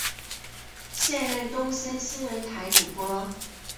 现任东森新闻台主播。